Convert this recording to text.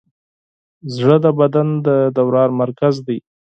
زړه د بدن د دوران مرکز دی.